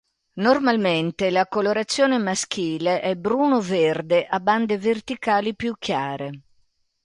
Normalmente la colorazione maschile è bruno-verde a bande verticali più chiare.